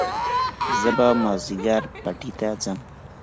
زه به مازيګر پټي ته ځم